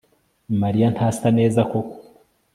mariya ntasa neza koko